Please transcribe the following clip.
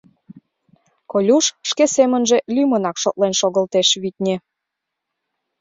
Колюш шке семынже лӱмынак шотлен шогылтеш, витне.